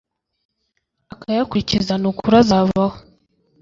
akayakurikiza ni ukuri azabaho